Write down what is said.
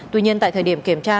tuy nhiên tại thời điểm kiểm tra